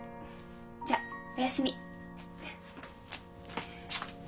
じゃあおやすみ。